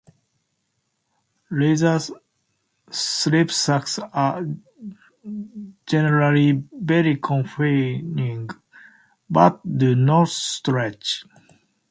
Leather sleepsacks are generally very confining but do not stretch.